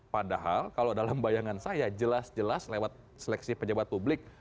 padahal kalau dalam bayangan saya jelas jelas lewat seleksi pejabat publik